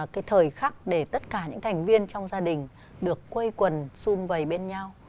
cái thời khắc để tất cả những thành viên trong gia đình được quây quần xung vầy bên nhau